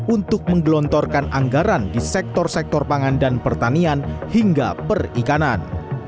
untuk menggelontorkan anggaran di sektor sektor pangan dan pertanian hingga perikanan